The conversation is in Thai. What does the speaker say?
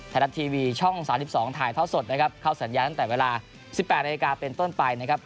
ไทยรัฐทีวีช่อง๓๒ถ่ายท่อสดนะครับเข้าสัญญาณตั้งแต่เวลา๑๘นาฬิกาเป็นต้นไปนะครับ